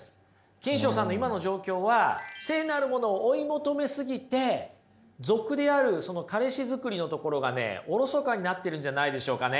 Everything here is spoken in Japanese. キンショウさんの今の状況は聖なるものを追い求め過ぎて俗である彼氏づくりのところが疎かになってるんじゃないでしょうかね。